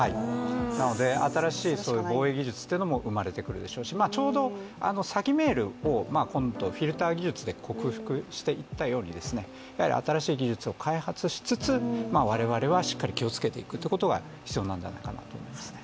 なので新しい防衛技術というのも生まれてくるでしょうし、ちょうど詐欺メールを今度フィルター技術で克服していったように新しい技術を開発しつつ、我々はしっかりと気をつけていくということが必要なんじゃないかなと思いますね。